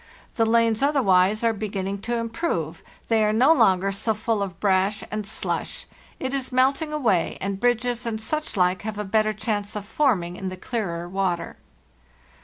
The lanes otherwise are be ginning to improve; they are no longer so full of brash and slush; it is melting away, and bridges and such like have a better chance of forming in the clearer water.